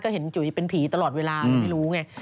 เห็นจุ๋ยเป็นผีตลอดเวลาไม่รู้ไง